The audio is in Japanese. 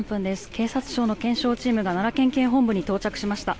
警察庁の検証チームが奈良県警本部に到着しました。